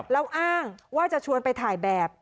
แล้วอ้างว่าจะชวนไปถ่ายแบบ